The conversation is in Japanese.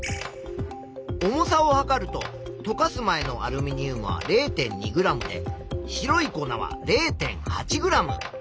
重さを量るととかす前のアルミニウムは０．２ｇで白い粉は０．８ｇ。